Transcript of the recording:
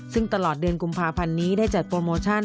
ซึ่งตลอดเดือนกุมภาพันธ์นี้ได้จัดโปรโมชั่น